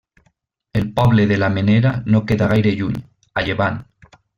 El poble de la Menera no queda gaire lluny, a llevant.